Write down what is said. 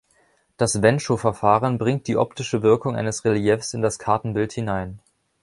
Das Wenschow-Verfahren bringt die optische Wirkung eines Reliefs in das Kartenbild hinein.